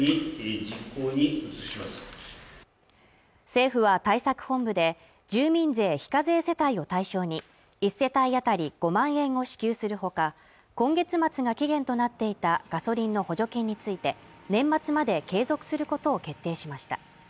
政府は対策本部で住民税非課税世帯を対象に１世帯当たり５万円を支給するほか今月末が期限となっていたガソリンの補助金について年末まで継続することを決定しました